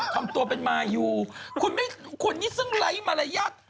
ทำตัวเป็นมายูคุณนี่ซึ่งไร้มารยาท